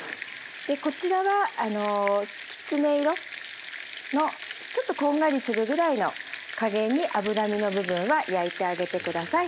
でこちらはきつね色のちょっとこんがりするぐらいの加減に脂身の部分は焼いてあげて下さい。